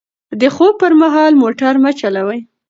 د خوب پر مهال موټر مه چلوئ.